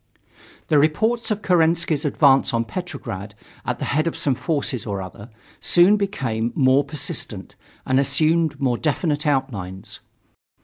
The reports of Kerensky's advance on Petrograd, at the head of some forces or other, soon became more persistent and assumed more definite outlines.